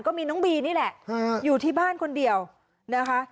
ก็มีน้องบีนี่แหละอยู่ที่บ้านคนเดียวนะคะ